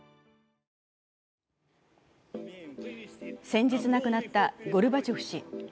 先日亡くなったゴルバチョフ氏。